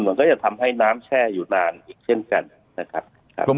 มันก็จะทำให้น้ำแช่อยู่นาน